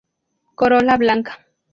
Corola blanca.